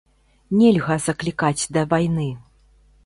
Нельга заклікаць да вайны.